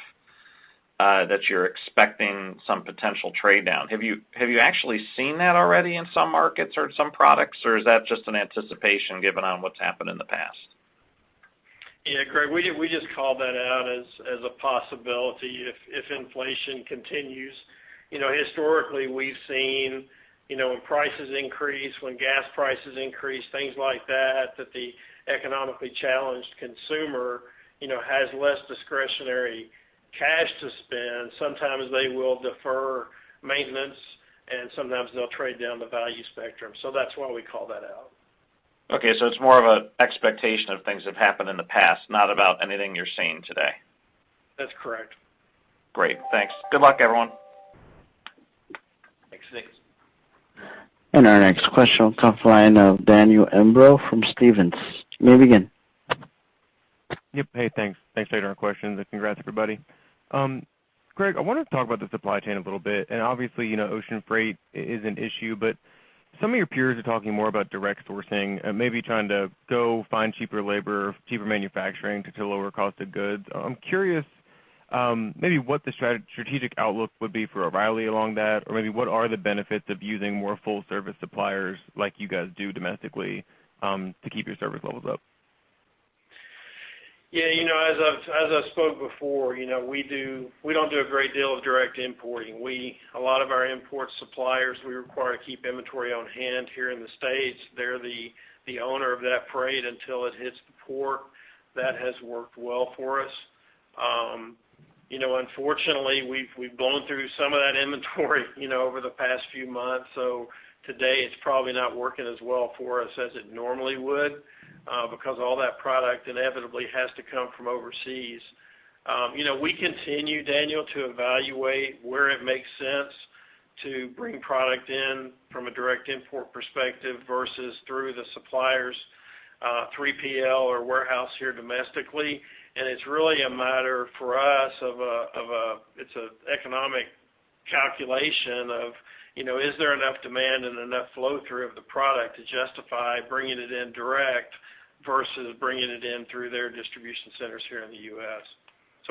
J: that you're expecting some potential trade-down. Have you actually seen that already in some markets or some products, or is that just an anticipation given on what's happened in the past?
C: Yeah, Greg, we just called that out as a possibility if inflation continues. Historically, we've seen when prices increase, when gas prices increase, things like that the economically challenged consumer has less discretionary cash to spend. Sometimes they will defer maintenance and sometimes they'll trade down the value spectrum. That's why we call that out.
J: Okay, it's more of an expectation of things that have happened in the past, not about anything you're seeing today.
C: That's correct.
J: Great. Thanks. Good luck, everyone.
C: Thanks.
A: Our next question comes line of Daniel Imbro from Stephens. You may begin.
K: Yep. Hey, thanks. Thanks for taking our questions. Congrats everybody. Greg, I wanted to talk about the supply chain a little bit. Obviously, ocean freight is an issue, but some of your peers are talking more about direct sourcing, maybe trying to go find cheaper labor, cheaper manufacturing to lower cost of goods. I'm curious maybe what the strategic outlook would be for O'Reilly along that, or maybe what are the benefits of using more full service suppliers like you guys do domestically, to keep your service levels up?
C: Yeah, as I spoke before, we don't do a great deal of direct importing. A lot of our import suppliers we require to keep inventory on hand here in the States. They're the owner of that freight until it hits the port. That has worked well for us. Unfortunately, we've gone through some of that inventory over the past few months. Today, it's probably not working as well for us as it normally would, because all that product inevitably has to come from overseas. We continue, Daniel, to evaluate where it makes sense to bring product in from a direct import perspective versus through the suppliers, 3PL or warehouse here domestically. It's really a matter for us of an economic calculation of, is there enough demand and enough flow through of the product to justify bringing it in direct versus bringing it in through their distribution centers here in the U.S.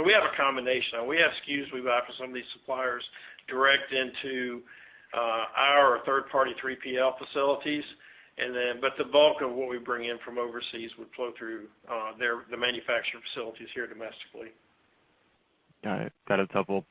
C: We have a combination. We have SKUs we buy from some of these suppliers direct into our third party 3PL facilities. The bulk of what we bring in from overseas would flow through the manufacturing facilities here domestically.
K: Got it. That is helpful.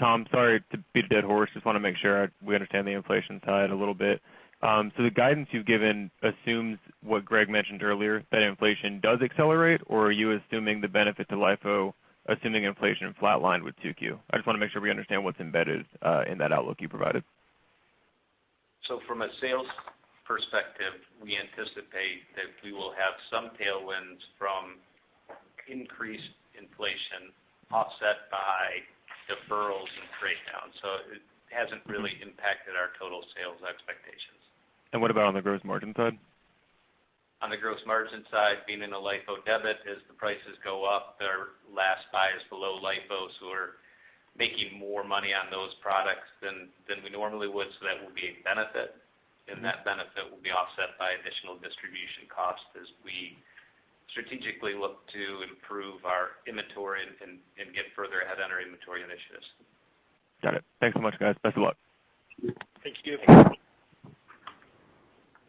K: Tom, sorry to beat a dead horse, just want to make sure we understand the inflation side a little bit. The guidance you've given assumes what Greg mentioned earlier, that inflation does accelerate, or are you assuming the benefit to LIFO assuming inflation flatlined with 2Q? I just want to make sure we understand what's embedded in that outlook you provided.
B: From a sales perspective, we anticipate that we will have some tailwinds from increased inflation offset by deferrals and trade downs. It hasn't really impacted our total sales expectations.
K: What about on the gross margin side?
B: On the gross margin side, being in a LIFO debit, as the prices go up, their last buy is below LIFO, so we're making more money on those products than we normally would, so that would be a benefit, and that benefit will be offset by additional distribution costs as we strategically look to improve our inventory and get further ahead on our inventory initiatives.
K: Got it. Thanks so much, guys. Best of luck.
C: Thank you.
B: Thank you.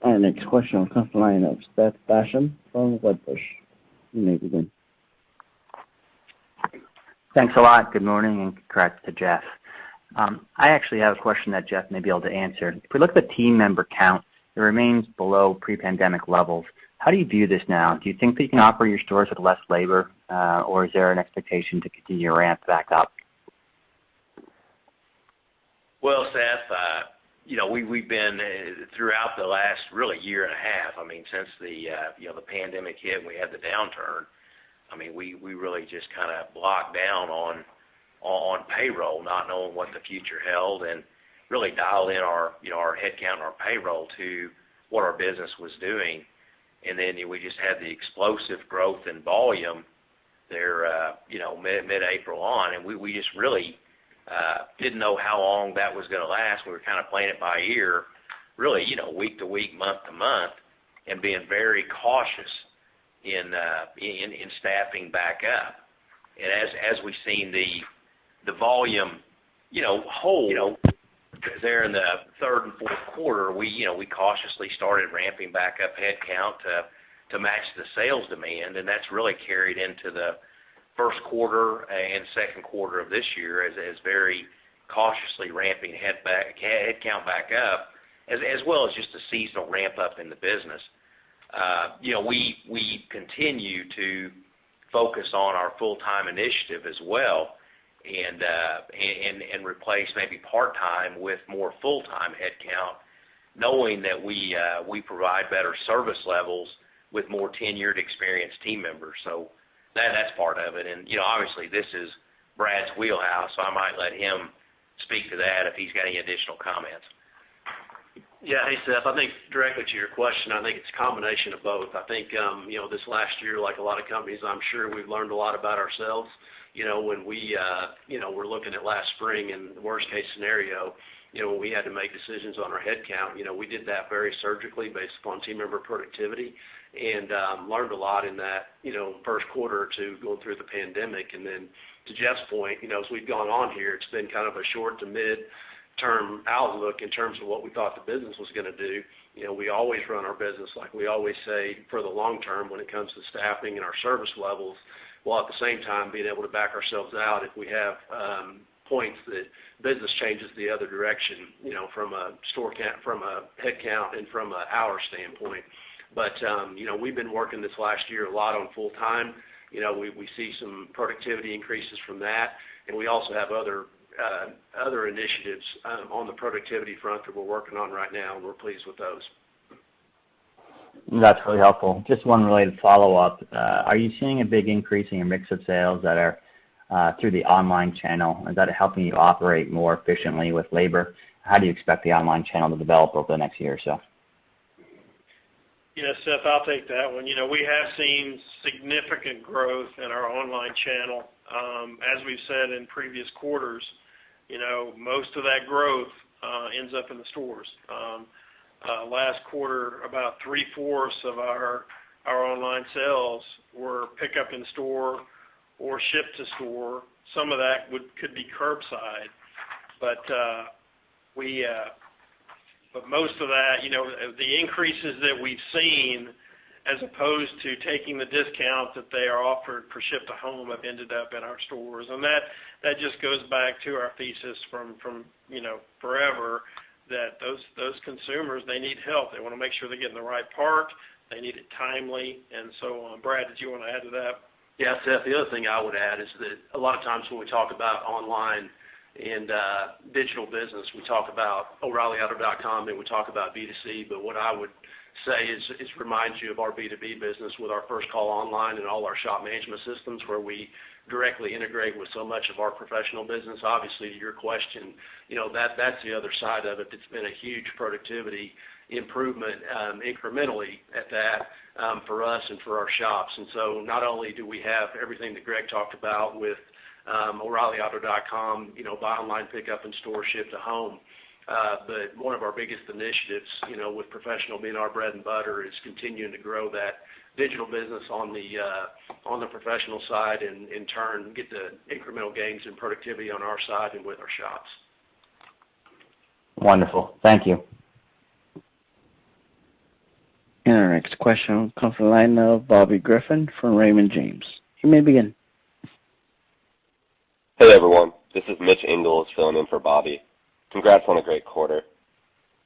A: Our next question will come from the line of Seth Basham from Wedbush. You may begin.
L: Thanks a lot. Good morning, congrats to Jeff. I actually have a question that Jeff may be able to answer. If we look at the team member count, it remains below pre-pandemic levels. How do you view this now? Do you think that you can operate your stores with less labor, or is there an expectation to continue to ramp back up?
D: Well, Seth, throughout the last really year and a half, since the pandemic hit and we had the downturn, we really just locked down on payroll not knowing what the future held and really dialed in our headcount, our payroll to what our business was doing. Then we just had the explosive growth in volume there mid-April on, and we just really didn't know how long that was going to last. We were playing it by ear really, week to week, month to month, and being very cautious in staffing back up. As we've seen the volume hold there in the third and fourth quarter, we cautiously started ramping back up headcount to match the sales demand, and that's really carried into the first quarter and second quarter of this year as very cautiously ramping headcount back up, as well as just a seasonal ramp-up in the business. We continue to focus on our full-time initiative as well and replace maybe part-time with more full-time headcount, knowing that we provide better service levels with more tenured, experienced team members. That's part of it. Obviously, this is Brad's wheelhouse, so I might let him speak to that if he's got any additional comments.
G: Yeah. Hey, Seth. I think directly to your question, I think it's a combination of both. I think this last year, like a lot of companies, I'm sure we've learned a lot about ourselves. When we're looking at last spring and the worst-case scenario, when we had to make decisions on our headcount, we did that very surgically based upon team member productivity and learned a lot in that first quarter or two going through the pandemic. To Jeff's point, as we've gone on here, it's been kind of a short to mid-term outlook in terms of what we thought the business was going to do. We always run our business, like we always say, for the long term when it comes to staffing and our service levels, while at the same time being able to back ourselves out if we have points that business changes the other direction from a headcount and from an hour standpoint. We've been working this last year a lot on full time. We see some productivity increases from that, and we also have other initiatives on the productivity front that we're working on right now, and we're pleased with those.
L: That's really helpful. Just one related follow-up. Are you seeing a big increase in your mix of sales that are through the online channel? Is that helping you operate more efficiently with labor? How do you expect the online channel to develop over the next year or so?
C: Seth, I'll take that one. We have seen significant growth in our online channel. As we've said in previous quarters, most of that growth ends up in the stores. Last quarter, about 3/4 of our online sales were pickup in-store or ship to store. Some of that could be curbside, but most of that, the increases that we've seen as opposed to taking the discount that they are offered for ship to home have ended up in our stores. That just goes back to our thesis from forever, that those consumers, they need help. They want to make sure they're getting the right part, they need it timely, and so on. Brad, did you want to add to that?
G: Yeah, Seth, the other thing I would add is that a lot of times when we talk about online and digital business, we talk about oreillyauto.com, then we talk about B2C. What I would say is it reminds you of our B2B business with our First Call Online and all our shop management systems, where we directly integrate with so much of our professional business. Obviously, to your question, that's the other side of it that's been a huge productivity improvement, incrementally at that, for us and for our shops. Not only do we have everything that Greg talked about with oreillyauto.com, buy online, pickup in store, ship to home, but one of our biggest initiatives with professional being our bread and butter is continuing to grow that digital business on the professional side and in turn, get the incremental gains in productivity on our side and with our shops.
L: Wonderful. Thank you.
A: Our next question will come from the line of Bobby Griffin from Raymond James. You may begin.
M: Hey, everyone. This is Mitch Ingles filling in for Bobby. Congrats on a great quarter.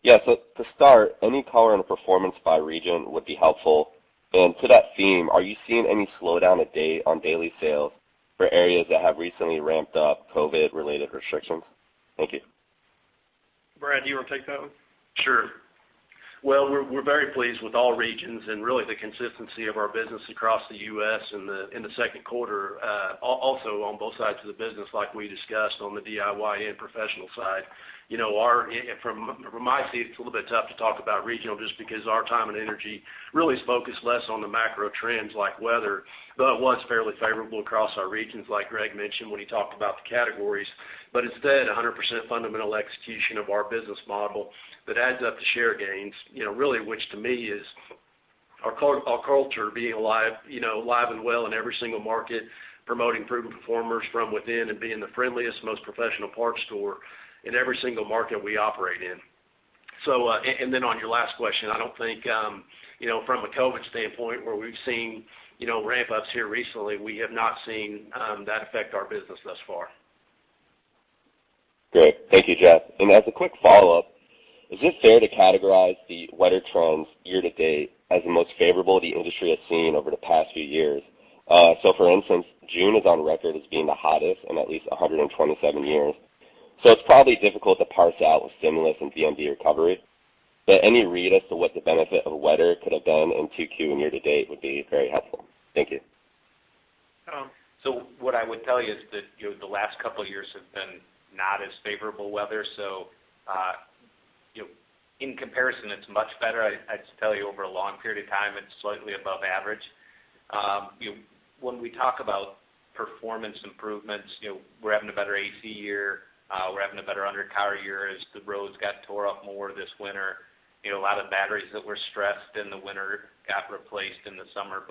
M: Yeah, to start, any color on the performance by region would be helpful. To that theme, are you seeing any slowdown to date on daily sales for areas that have recently ramped up COVID-related restrictions? Thank you.
C: Brad, do you want to take that one?
G: Sure. Well, we're very pleased with all regions and really the consistency of our business across the U.S. in the second quarter. On both sides of the business, like we discussed on the DIY and professional side. From my seat, it's a little bit tough to talk about regional just because our time and energy really is focused less on the macro trends like weather, though it was fairly favorable across our regions like Greg mentioned when he talked about the categories. Instead, 100% fundamental execution of our business model that adds up to share gains really, which to me is our culture being alive and well in every single market, promoting proven performers from within and being the friendliest, most professional parts store in every single market we operate in. On your last question, I don't think from a COVID standpoint where we've seen ramp-ups here recently, we have not seen that affect our business thus far.
M: Great. Thank you, Brad. As a quick follow-up, is it fair to categorize the weather trends year to date as the most favorable the industry has seen over the past few years? For instance, June is on record as being the hottest in at least 127 years. It's probably difficult to parse out with stimulus and [DIFM] recovery. Any read as to what the benefit of weather could have been in 2Q and year to date would be very helpful. Thank you.
B: What I would tell you is that the last couple of years have been not as favorable weather. In comparison, it's much better. I'd tell you over a long period of time, it's slightly above average. When we talk about performance improvements, we're having a better AC year, we're having a better under car year as the roads got tore up more this winter. A lot of batteries that were stressed in the winter got replaced in the summer.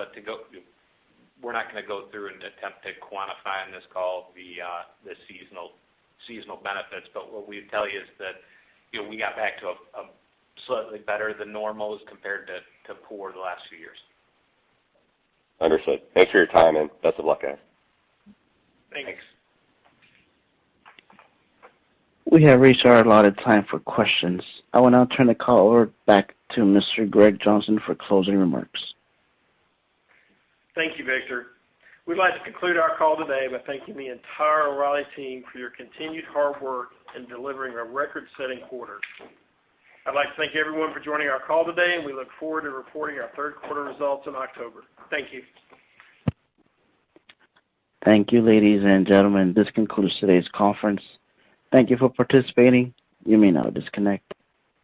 B: We're not going to go through and attempt to quantify on this call the seasonal benefits. What we would tell you is that we got back to a slightly better than normal as compared to poor the last few years.
M: Understood. Thanks for your time and best of luck, guys.
C: Thanks.
G: Thanks.
A: We have reached our allotted time for questions. I will now turn the call over back to Mr. Greg Johnson for closing remarks.
C: Thank you, Victor. We'd like to conclude our call today by thanking the entire O’Reilly team for your continued hard work in delivering a record-setting quarter. I'd like to thank everyone for joining our call today, and we look forward to reporting our third quarter results in October. Thank you.
A: Thank you, ladies and gentlemen. This concludes today's conference. Thank you for participating. You may now disconnect.